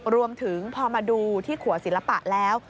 รวมถึงพอมาดูที่ขัวศิลปะแล้ว